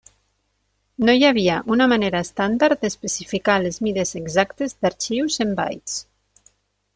No hi havia una manera estàndard d'especificar les mides exactes d'arxius en bytes.